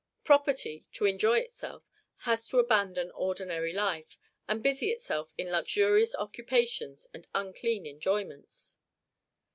Property to enjoy itself has to abandon ordinary life, and busy itself in luxurious occupations and unclean enjoyments.